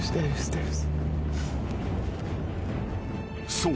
［そう。